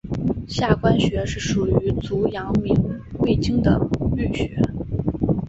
下关穴是属于足阳明胃经的腧穴。